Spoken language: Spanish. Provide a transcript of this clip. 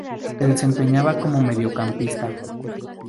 Se desempeñaba como mediocampista.